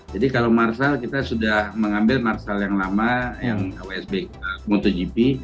jadi kalau marshall kita sudah mengambil marshall yang lama yang usb motogp